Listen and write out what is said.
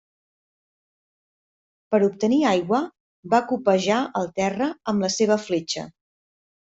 Per obtenir aigua, va copejar el terra amb la seva fletxa.